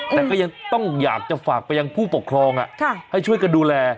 แต่ก็ยังต้องอยากจะฝากไปยังผู้ปกครองให้ช่วยกันดูแล